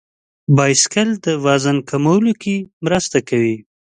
بایسکل د وزن کمولو کې مرسته کوي.